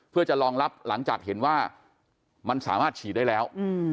เพื่อจะรองรับหลังจากเห็นว่ามันสามารถฉีดได้แล้ว